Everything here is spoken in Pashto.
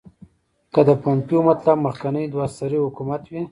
که د پومپیو مطلب مخکنی دوه سری حکومت وي.